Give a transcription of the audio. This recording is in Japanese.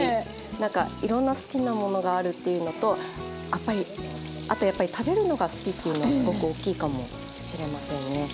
なんかいろんな好きなものがあるっていうのとあとやっぱりっていうのがすごく大きいかもしれませんね。